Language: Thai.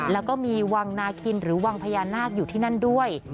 แล้วก็มีวังนาคินหรือวังพญานาคอยู่ที่นั่นด้วย